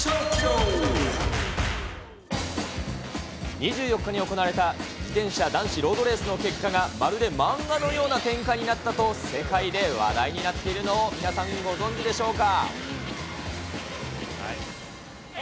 ２４日に行われた自転車男子ロードレースの結果がまるで漫画のような展開になったと世界で話題になっているのを皆さん、ご存じでしょうか。